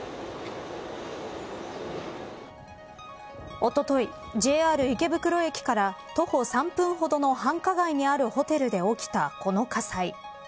おととい、ＪＲ池袋駅から徒歩３分ほどの繁華街にあるホテルで起きたこの火災。